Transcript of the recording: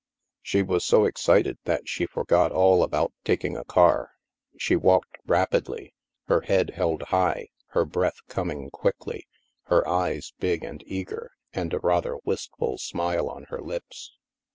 She was so excited that she forgot all about taking a car. She walked rapidly, her head held high, her breath coming quickly, her eyes big and eager, and a rather wistful smile on her lips.